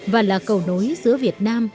và là cầu nối giữa việt nam